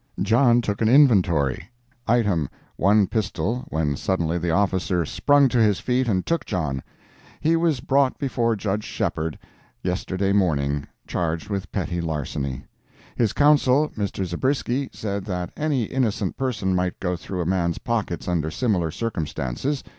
John took an inventory. Item, one pistol, when suddenly the officer sprung to his feet and took John. He was brought before Judge Shepheard yesterday morning, charged with petty larceny. His counsel, Mr. Zabriskie, said that any innocent person might go through a man's pockets under similar circumstances.